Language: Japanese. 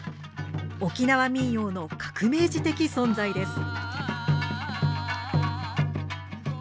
沖縄民謡の革命児的存在です。